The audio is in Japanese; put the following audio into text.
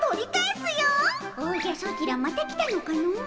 おじゃソチらまた来たのかの？